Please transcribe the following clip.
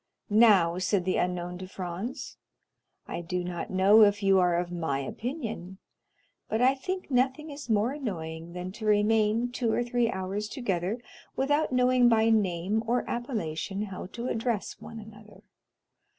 "Now," said the unknown to Franz, "I do not know if you are of my opinion, but I think nothing is more annoying than to remain two or three hours together without knowing by name or appellation how to address one another.